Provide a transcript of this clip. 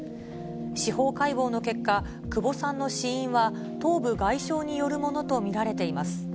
司法解剖の結果、久保さんの死因は頭部外傷によるものと見られています。